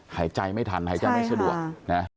หายใจไม่ทันหายใจไม่สะดวกนะครับใช่ค่ะ